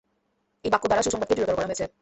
এই বাক্য দ্বারা সুসংবাদকে দৃঢ়তর করা হয়েছে।